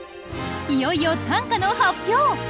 いよいよ短歌の発表！